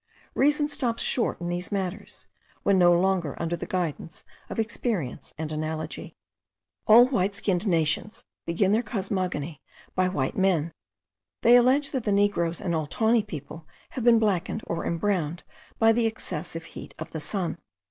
Reason stops short in these matters, when no longer under the guidance of experience and analogy. All white skinned nations begin their cosmogony by white men; they allege that the negroes and all tawny people have been blackened or embrowned by the excessive heat of the sun.